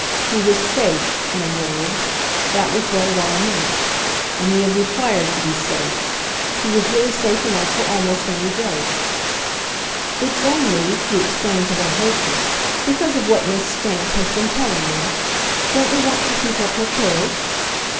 He was SAFE, in a word that was what it all meant; and he had required to be safe. He was really safe enough for almost any joke. "It's only," he explained to their hostess, "because of what Miss Stant has been telling me. Don't we want to keep up her courage?"